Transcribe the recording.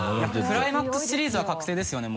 クライマックスシリーズは確定ですよね